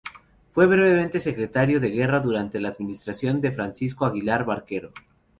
Fue brevemente Secretario de Guerra durante la administración de Francisco Aguilar Barquero.